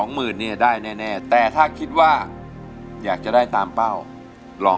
หรือจาก